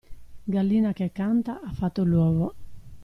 Gallina che canta ha fatto l'uovo.